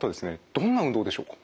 どんな運動でしょうか？